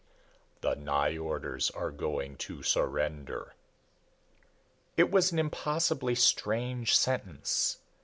"The Nyjorders are going to surrender." It was an impossibly strange sentence.